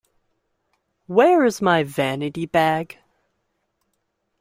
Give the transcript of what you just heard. Where is my vanity bag?